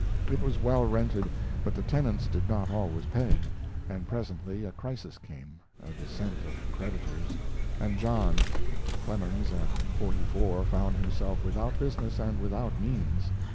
It was well rented, but the tenants did not always pay; and presently a crisis came a descent of creditors and John: Clemens at forty four found himself without business and without means.